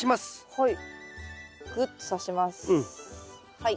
はい。